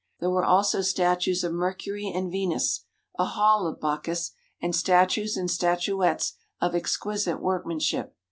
There were also statues of Mer cury and Venus, a Hall of Bacchus, and statues and statuettes of exquisite workmanship.